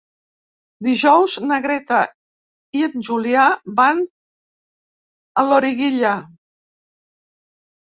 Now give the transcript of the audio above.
Dijous na Greta i en Julià van a Loriguilla.